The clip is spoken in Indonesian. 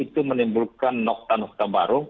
itu menimbulkan nokta nokta baru